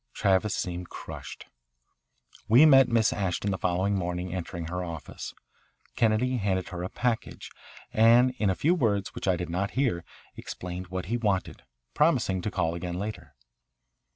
Travis seemed crushed. We met Miss Ashton the following morning entering her office. Kennedy handed her a package, and in a few words, which I did not hear, explained what he wanted, promising to call again later.